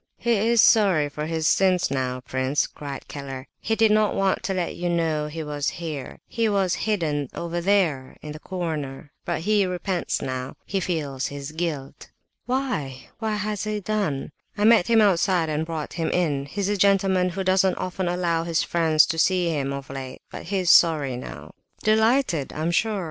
"He is sorry for his sins now, prince," cried Keller. "He did not want to let you know he was here; he was hidden over there in the corner,—but he repents now, he feels his guilt." "Why, what has he done?" "I met him outside and brought him in—he's a gentleman who doesn't often allow his friends to see him, of late—but he's sorry now." "Delighted, I'm sure!